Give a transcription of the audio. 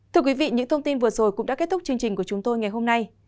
thưa quý vị những thông tin vừa rồi cũng đã kết thúc chương trình của chúng tôi ngày hôm nay